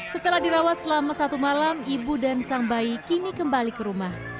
setelah dirawat selama satu malam ibu dan sang bayi kini kembali ke rumah